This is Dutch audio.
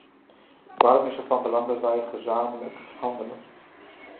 Waarom is het van belang dat wij gezamenlijk handelen?